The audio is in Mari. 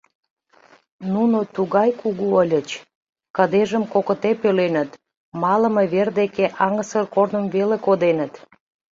Нуно тугай кугу ыльыч — кыдежым кокыте пӧленыт, малыме вер деке аҥысыр корным веле коденыт.